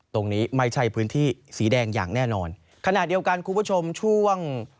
ตรงนี้ไม่ใช่พื้นที่สีแดงอย่างแน่นอนขณะเดียวกันคุณผู้ชมช่วง